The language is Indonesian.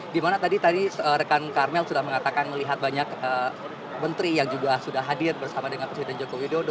dimana tadi tadi rekan karmel sudah mengatakan melihat banyak menteri yang juga sudah hadir bersama dengan presiden joko widodo